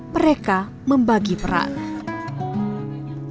mereka membagi perasaan